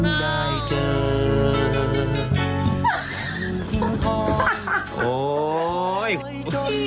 พี่ด้อรออยู่